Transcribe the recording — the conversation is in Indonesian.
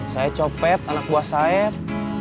saya copet anak buah sayap